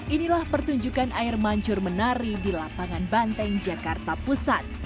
inilah pertunjukan air mancur menari di lapangan banteng jakarta pusat